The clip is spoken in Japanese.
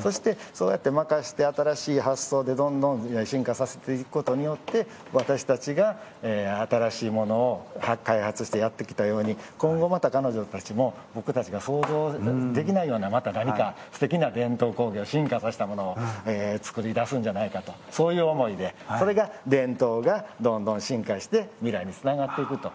そしてそうやって任せて新しい発想でどんどん進化させていくことによって私たちが新しいものを開発してやってきたように今後また彼女たちも僕たちが想像できないようなまた何かすてきな伝統工芸を進化させたものを作り出すんじゃないかとそういう思いでそれが伝統がどんどん進化して未来につながっていくと。